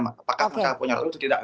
apakah punya ratu atau tidak